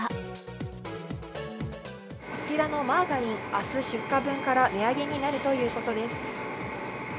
こちらのマーガリン、あす出荷分から値上げになるということです。